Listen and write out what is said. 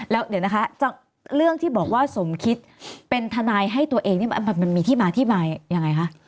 แล้วเดี๋ยวนะคะเรื่องที่บอกว่าสมคิดเป็นทนายให้ตัวเองนี่มันมีที่มาที่มายังไงคะ